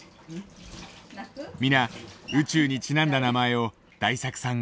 皆宇宙にちなんだ名前を大作さんが付けた。